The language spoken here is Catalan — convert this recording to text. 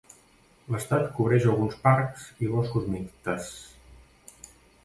L'estat cobreix alguns parcs i boscos mixtes.